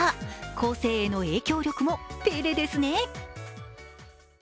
後世への影響力もペレですね。